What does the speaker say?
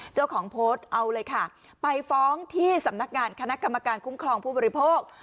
เจ้าของโพสต์เอาเลยค่ะไปฟ้องที่สำนักงานคณะกรรมการคุ้มครองผู้บริโภค